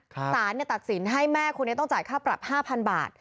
สารตัดสินให้แม่คนนี้ต้องจ่ายค่าปรับ๕๐๐บาท